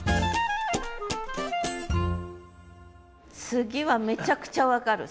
次はめちゃくちゃ分かる。